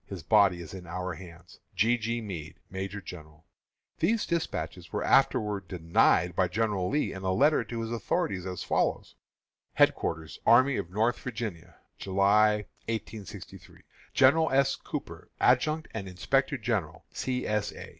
His body is in our hands. G. G. MEADE, Major General. These despatches were afterward denied by General Lee in a letter to his authorities, as follows: HEADQUARTERS ARMY OF NORTHERN VIRGINIA, July , 1863. _General S. Cooper, Adjutant and Inspector General C. S. A.